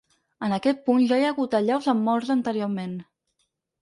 En aquest punt ja hi ha hagut allaus amb morts anteriorment.